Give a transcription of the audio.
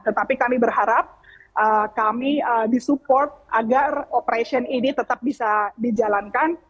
tetapi kami berharap kami disupport agar operation ini tetap bisa dijalankan